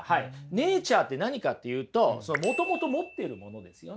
ネイチャーって何かっていうともともと持っているものですよね。